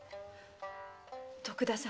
徳田様